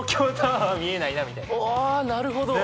あなるほど。